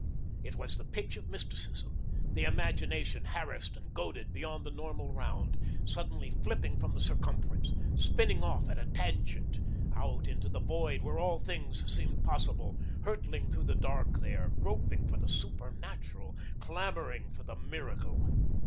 It was the pitch of mysticism, the imagination harassed and goaded beyond the normal round, suddenly flipping from the circumference, spinning off at a tangent, out into the void, where all things seemed possible, hurtling through the dark there, groping for the supernatural, clamouring for the miracle.